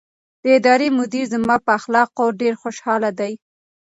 د ادارې مدیر زما په اخلاقو ډېر خوشحاله دی.